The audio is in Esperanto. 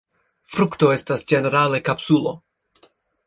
Frukto estas ĝenerale kapsulo.